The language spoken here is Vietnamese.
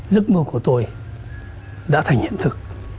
giấc mơ của tôi đã thành hiện thực